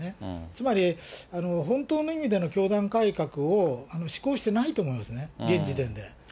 つまり本当の意味での教団改革をしこうしてないと思うんですね、現時点で。